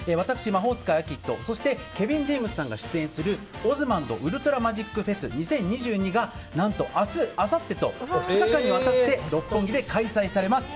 魔法使いアキットそしてケビン・ジェームスさんが出演する「オズマンド・ウルトラ・マジック・フェス２０２２」が何と、明日あさってと２日間にわたって六本木で開催されます。